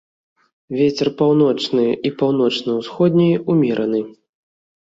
Вецер паўночны і паўночна-ўсходні ўмераны.